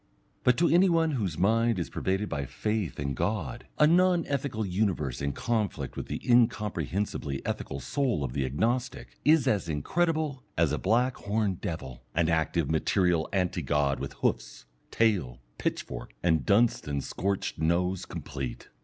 But to any one whose mind is pervaded by faith in God, a non ethical universe in conflict with the incomprehensibly ethical soul of the Agnostic, is as incredible as a black horned devil, an active material anti god with hoofs, tail, pitchfork, and Dunstan scorched nose complete.